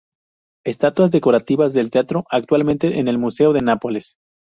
Estatuas decorativas del teatro, actualmente en el Museo de Nápoles.